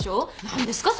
何ですか？